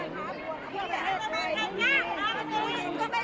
ต้องใจร่วม